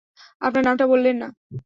আপনার নামটা বললেন না।